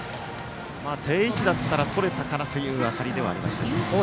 定位置だったらとれたかなという当たりではありましたが。